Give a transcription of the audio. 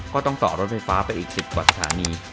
ก็ต้องเจาะรถไฟฟ้าไปอีก๑๐กว่าสถานี